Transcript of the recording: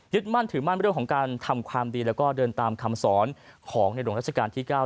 มั่นถือมั่นเรื่องของการทำความดีแล้วก็เดินตามคำสอนของในหลวงราชการที่๙